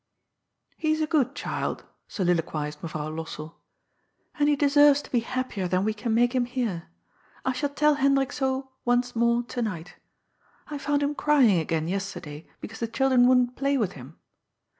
"He is a good child," soliloquized Mevrouw Lossell, 10 OOD'S FOOL. *^ and he deserves to be happier than we can make him here. I shall tell Hendrik so once more to night. I found him crying again yesterday, because the children wouldn't play with him.